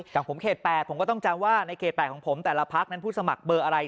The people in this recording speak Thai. อย่างผมเขต๘ผมก็ต้องจำว่าในเขต๘ของผมแต่ละพักนั้นผู้สมัครเบอร์อะไร